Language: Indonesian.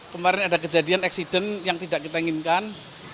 kemarin ada kejadian eksiden yang tidak kita inginkan